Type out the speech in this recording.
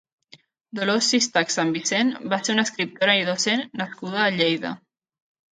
Dolors Sistac Sanvicén va ser una escriptora i docent nascuda a Lleida.